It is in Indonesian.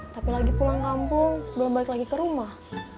tapi lagi pulang kampung belum balik lagi ke rumah